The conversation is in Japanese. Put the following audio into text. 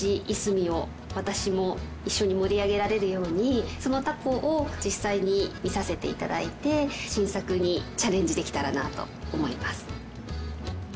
いすみを私も一緒に盛り上げられるようにそのタコを実際に見させて頂いて新作にチャレンジできたらなと思います。